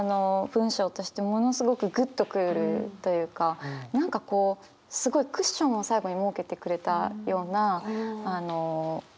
文章としてものすごくグッと来るというか何かすごいクッションを最後に設けてくれたような文章になってて。